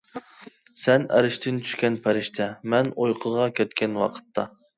سەن ئەرشتىن چۈشكەن پەرىشتە، مەن ئۇيقۇغا كەتكەن ۋاقىتتا.